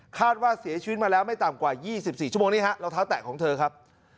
คาดว่าเสียชีวิตมาแล้วไม่ต่ำกว่า๒๔ชั่วโมงนี้ฮะรองเท้าแตะของเธอครับ